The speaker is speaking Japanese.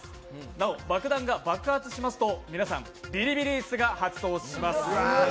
なお爆弾が爆発しますと皆さん、ビリビリ椅子が発動します。